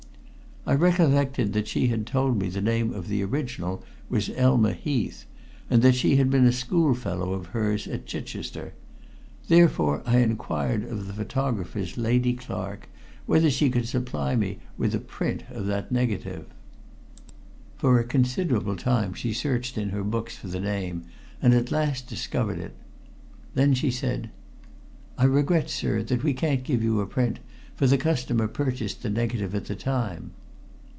I recollected that she had told me the name of the original was Elma Heath, and that she had been a schoolfellow of hers at Chichester. Therefore I inquired of the photographer's lady clerk whether she could supply me with a print of the negative. For a considerable time she searched in her books for the name, and at last discovered it. Then she said: "I regret, sir, that we can't give you a print, for the customer purchased the negative at the time."